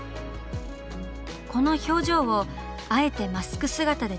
この表情をあえてマスク姿で伝える。